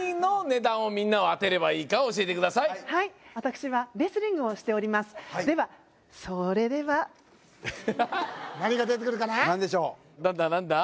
はい私はレスリングをしておりますではそれでは何が出てくるかな何でしょう何だ？